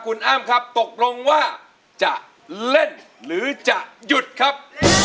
คุณอ้ำครับตกลงว่าจะเล่นหรือจะหยุดครับ